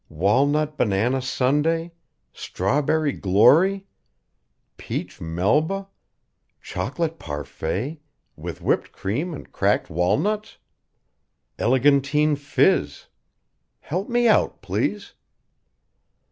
Walnut banana sundae; strawberry glory; peach Melba; chocolate parfait, with whipped cream and cracked walnuts; elegantine fizz Help me out, please."